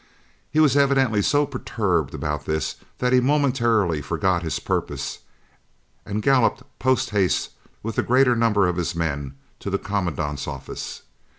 He was evidently so perturbed about this that he momentarily forgot his purpose, and galloped post haste with the greater number of his men to the Commandant's office.